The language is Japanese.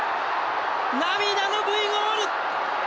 涙のＶゴール！